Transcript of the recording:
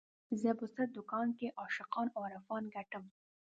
زه په څه دکان کې عاشقان او عارفان ګټم